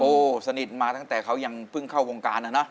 โอ้โหสนิทมาตั้งแต่เขายังเพิ่งเข้าวงการนะนะ